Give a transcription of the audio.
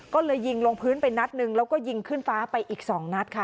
ก็เลยยิงลงพื้นไปนัดหนึ่งแล้วก็ยิงขึ้นฟ้าไปอีก๒นัดค่ะ